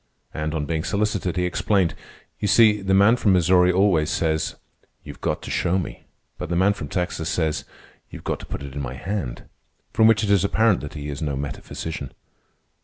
And, on being solicited, he explained. "You see, the man from Missouri always says, 'You've got to show me.' But the man from Texas says, 'You've got to put it in my hand.' From which it is apparent that he is no metaphysician."